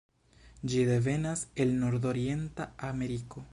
Ĝi devenas el nordorienta Ameriko.